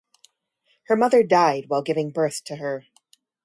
Her mother died while giving birth to her.